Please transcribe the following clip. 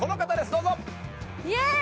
どうぞ。